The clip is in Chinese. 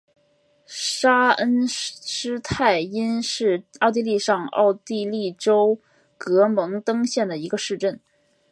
沙恩施泰因是奥地利上奥地利州格蒙登县的一个市镇。